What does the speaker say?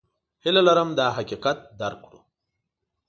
هیله لرم دا حقیقت درک کړو.